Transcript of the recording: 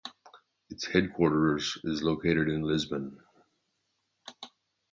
Its headquarters is located in Lisbon.